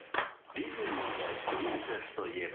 ［ディズニーのプリンセスといえば］